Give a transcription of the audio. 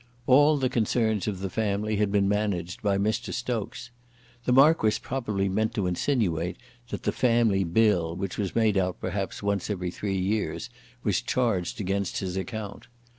All the concerns of the family had been managed by Mr. Stokes. The Marquis probably meant to insinuate that the family bill, which was made out perhaps once every three years, was charged against his account.